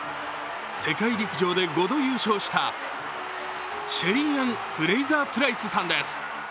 世界陸上で５度優勝したシェリー＝アン・フレーザー＝プライスさんです。